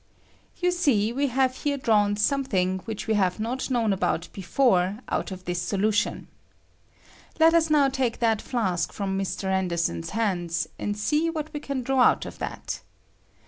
You see we have here drawn something which we have not known about before out of this solution. Let us now take that flask from Mr. Anderson's hands, and see what we can draw out of that.